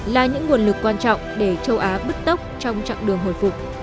là những nguồn lực quan trọng để châu á bứt tốc trong chặng đường hồi phục